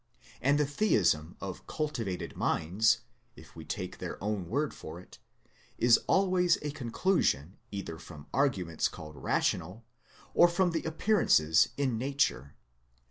And the Theism of cultivated minds, if we take their own word for it, is always a conclusion either from argu ments called rational, or from the appearances in Nature.